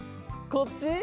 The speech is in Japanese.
こっち？